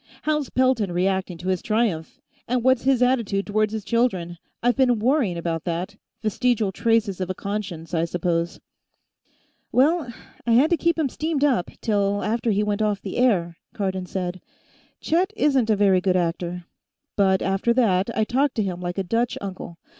How's Pelton reacting to his triumph? And what's his attitude toward his children? I've been worrying about that; vestigial traces of a conscience, I suppose." "Well, I had to keep him steamed up, till after he went off the air," Cardon said. "Chet isn't a very good actor. But after that, I talked to him like a Dutch uncle.